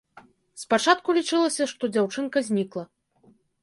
Спачатку лічылася, што дзяўчынка знікла.